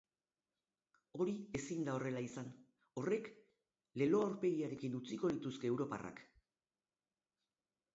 Hori ezin da horrela izan, horrek lelo aurpegiarekin utziko lituzke europarrak.